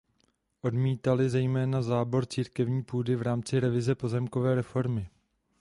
Odmítali zejména zábor církevní půdy v rámci revize pozemkové reformy.